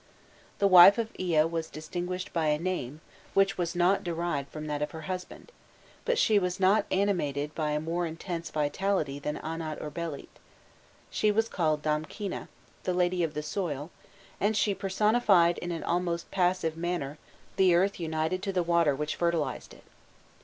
The wife of Ea was distinguished by a name which was not derived from that of her husband, but she was not animated by a more intense vitality than Anat or Belit: she was called Damkina, the lady of the soil, and she personified in an almost passive manner the earth united to the water which fertilized it.